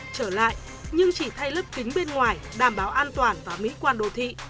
nhưng chỉ thay lớp kính bên ngoài đảm bảo an toàn và mỹ quan đồ thị